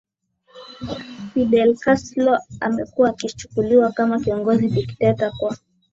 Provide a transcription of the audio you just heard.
Fidel Castro amekuwa akichukuliwa kama kiongozi dikteta kwa